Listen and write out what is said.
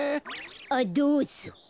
あっどうぞ。